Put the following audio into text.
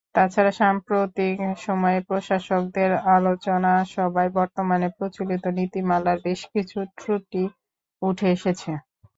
তাছাড়া সাম্প্রতিক সময়ে প্রশাসকদের আলোচনাসভায় বর্তমানে প্রচলিত নীতিমালার বেশকিছু ত্রুটি উঠে এসেছে।